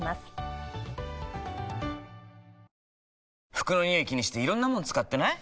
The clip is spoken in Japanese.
服のニオイ気にしていろんなもの使ってない？